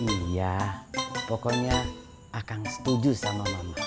iya pokoknya akan setuju sama mama